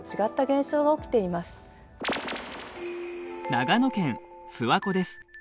長野県諏訪湖です。